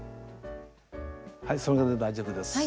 はいそれで大丈夫です。